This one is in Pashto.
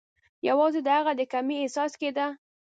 یوازي د هغه د کمۍ احساس کېده.